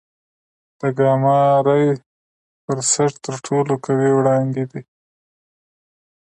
د ګاما رې برسټ تر ټولو قوي وړانګې دي.